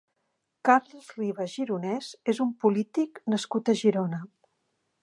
Carles Ribas Gironès és un polític nascut a Girona.